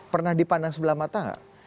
pernah dipandang sebelah mata